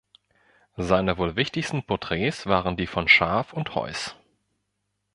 Seine wohl wichtigsten Porträts waren die von Scharf und Heuss.